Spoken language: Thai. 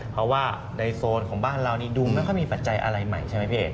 เพราะว่าในโซนของบ้านเรานี่ดูไม่ค่อยมีปัจจัยอะไรใหม่ใช่ไหมพี่เอก